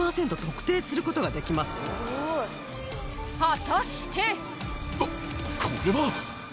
果たして⁉あっこれは。